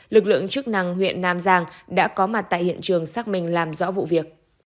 lực lượng chức năng huyện nam giang đã có mặt tại hiện trường xác minh làm rõ vụ việc